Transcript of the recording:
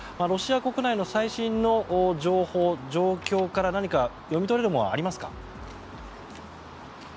ロシア国内の最新の情報や状況から何か読み取れるものはありますか？